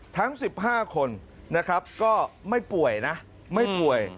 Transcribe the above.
ทั้ง๑๕คนนะครับก็ไม่ป่วยนะไม่ป่วย